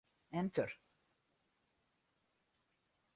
Enter.